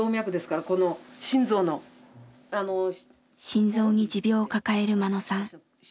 心臓に持病を抱える眞野さん。